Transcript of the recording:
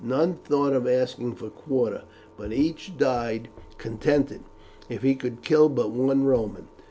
None thought of asking for quarter, but each died contented if he could kill but one Roman.